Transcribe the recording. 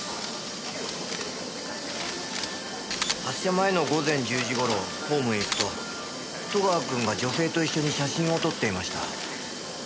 発車前の午前１０時頃ホームへ行くと戸川君が女性と一緒に写真を撮っていました。